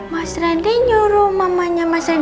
mas rendy nyuruh mamahnya mas rendy